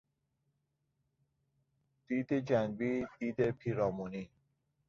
دید جنبی، دید پیرامونی